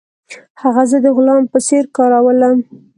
هغه زه د غلام په څیر کارولم.